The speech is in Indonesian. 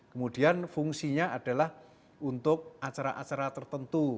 kemudian fungsinya adalah untuk acara acara tertentu